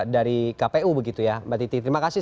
dari kpu begitu ya mbak titi terima kasih